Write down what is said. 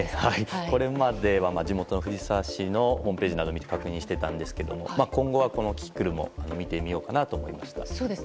これまでは地元の藤沢市のホームページなどを見て確認していたんですが今後は、このキキクルも見てみようかなと思いました。